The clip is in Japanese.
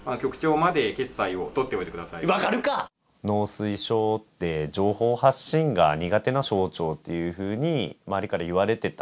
農水省って情報発信が苦手な省庁っていうふうに周りから言われてた。